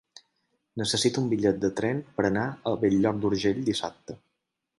Necessito un bitllet de tren per anar a Bell-lloc d'Urgell dissabte.